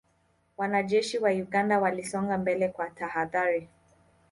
Wanajeshi wa Uganda walisonga mbele kwa tahadhari